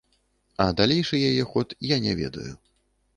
А далейшы яе ход я не ведаю.